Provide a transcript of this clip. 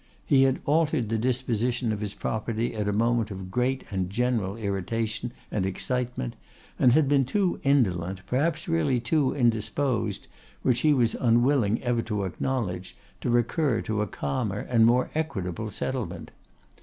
He had altered the disposition of his property at a moment of great and general irritation and excitement; and had been too indolent, perhaps really too indisposed, which he was unwilling ever to acknowledge, to recur to a calmer and more equitable settlement.